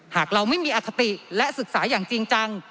หากเราไม่มีอคติและศึกษาอย่างจริงจัง